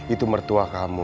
itu mertua kamu